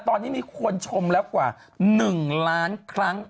ตอนนี้มีคนชมแล้วกว่า๑ล้านครั้ง